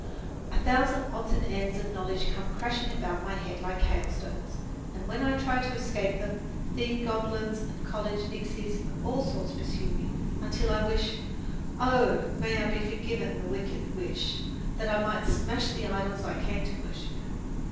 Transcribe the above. A thousand odds and ends of knowledge come crashing about my head like hailstones, and when I try to escape them, theme goblins and college nixies of all sorts pursue me, until I wish oh, may I be forgiven the wicked wish! that I might smash the idols I came to worship.